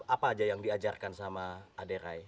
apa aja yang diajarkan sama aderai